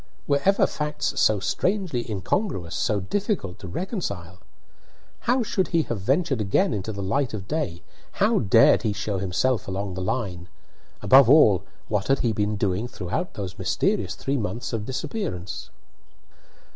Were ever facts so strangely incongruous, so difficult to reconcile? How should he have ventured again into the light of day? How dared he show himself along the line? Above all, what had he been doing throughout those mysterious three months of disappearance?